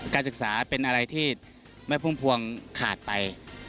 การศึกษาเป็นอะไรที่แม่พุ่มพวงขาดไป